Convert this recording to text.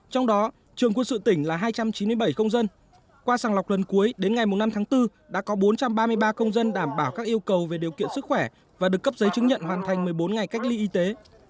trong đó trường quân sự tỉnh là hai trăm chín mươi bảy công dân qua sàng lọc lần cuối đến ngày năm tháng bốn đã có bốn trăm ba mươi ba công dân đảm bảo các yêu cầu về điều kiện sức khỏe và được cấp giấy chứng nhận hoàn thành một mươi bốn ngày cách ly y tế